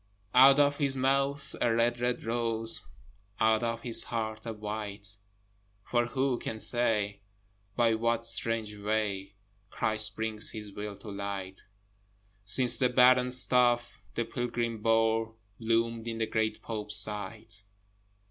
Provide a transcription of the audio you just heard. Out of his mouth a red, red rose! Out of his heart a white! For who can say by what strange way, Christ brings his will to light, Since the barren staff the pilgrim bore Bloomed in the great Pope's sight?